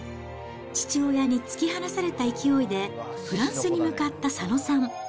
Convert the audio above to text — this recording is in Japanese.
父親に突き放された勢いで、フランスに向かった佐野さん。